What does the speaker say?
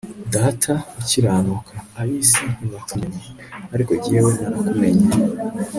data ukiranuka, ab'isi ntibakumenye, ariko jyewe narakumenye